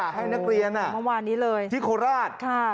ให้นักเรียนที่โคราช